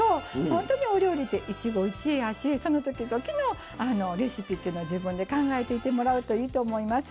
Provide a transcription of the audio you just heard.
ほんとにお料理って一期一会やしその時々のレシピっていうのを自分で考えていってもらうといいと思います。